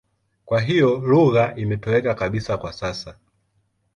Kwa hiyo lugha imetoweka kabisa kwa sasa.